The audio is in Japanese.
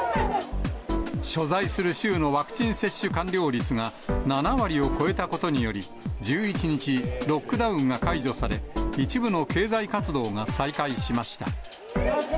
所在する州のワクチン接種完了率が７割を超えたことにより、１１日、ロックダウンが解除され、一部の経済活動が再開しました。